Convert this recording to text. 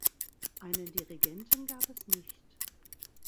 Einen Dirigenten gab es nicht.